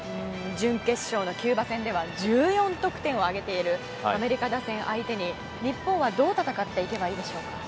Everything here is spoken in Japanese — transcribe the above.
準決勝のキューバ戦では１４得点を挙げているアメリカ打線相手に日本はどう戦っていけばいいでしょうか？